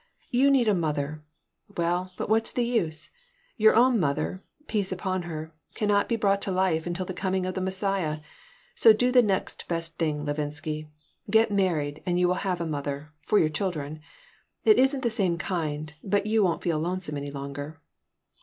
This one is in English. You need a mother. Well, but what's the use? Your own mother peace upon her cannot be brought to life until the coming of the Messiah, so do the next best thing, Levinsky. Get married and you will have a mother for your children. It isn't the same kind, but you won't feel lonesome any longer."